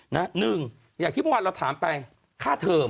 นึ่งอย่างที่เรากำลังถามไปค่าเทอม